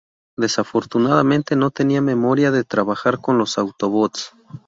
Desafortunadamente, no tenía memoria de trabajar con los Autobots.